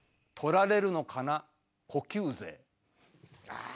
ああ。